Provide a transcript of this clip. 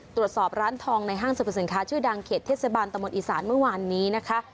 ตรวจสอบร้านทองในห้างสรรพสินค้าชื่อดังเขตเทศบาลตะมนตอีสานเมื่อวานนี้นะคะ